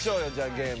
ゲーム。